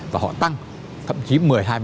và họ tăng thậm chí một mươi hai mươi